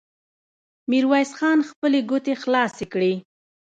ميرويس خان خپلې ګوتې خلاصې کړې.